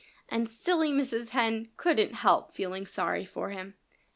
And silly Mrs. Hen couldn't help feeling sorry for him.